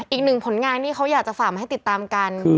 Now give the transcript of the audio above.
อีกหนึ่งผลงานที่เขาอยากจะฝากมาให้ติดตามกัน